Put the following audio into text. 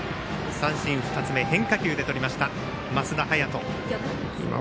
三振２つ目、変化球でとりました升田早人。